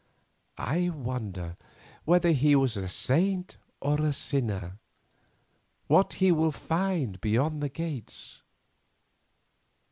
I wonder whether he was a saint or a sinner, and what he will find beyond the Gates.